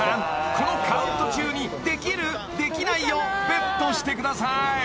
このカウント中にできる？できない？をＢｅｔしてください